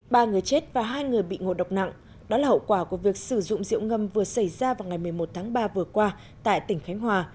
ba người chết và hai người bị ngộ độc nặng đó là hậu quả của việc sử dụng rượu ngâm vừa xảy ra vào ngày một mươi một tháng ba vừa qua tại tỉnh khánh hòa